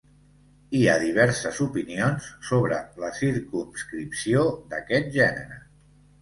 Hi ha diverses opinions sobre la circumscripció d'aquest gènere.